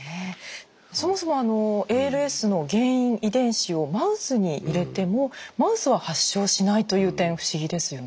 そもそもあのＡＬＳの原因遺伝子をマウスに入れてもマウスは発症しないという点不思議ですよね。